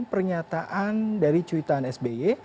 pernyataan dari cuitan sbe